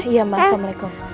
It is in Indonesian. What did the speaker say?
iya ma assalamualaikum